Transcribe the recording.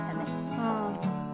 うん。